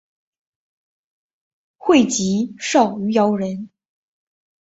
会稽郡余姚人。